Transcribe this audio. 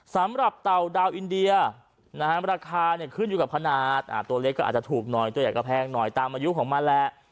เต่าดาวอินเดียราคาขึ้นอยู่กับขนาดตัวเล็กก็อาจจะถูกหน่อยตัวใหญ่ก็แพงหน่อยตามอายุของมันแหละ